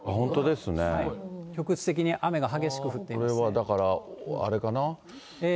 局地的に雨が激しく降っていこれはだからあれかな。